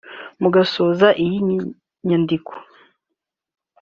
Mu gusoza iyi nyandiko